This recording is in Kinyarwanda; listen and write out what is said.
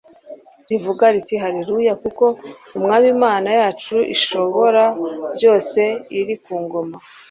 rivuga riti, “Haleluya! Kuko Umwami Imana yacu Ishobora byose iri ku ngoma